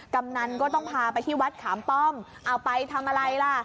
กำนันก็ต้องพาไปที่วัดขามป้อมเอาไปทำอะไรล่ะ